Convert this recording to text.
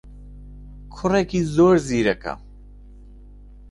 کوڕێکی زۆر زیرەکە.